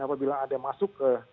apabila ada masuk ke